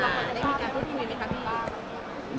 สภาพจริงใจของคุณอันน่าได้พูดคุยไหมครับพี่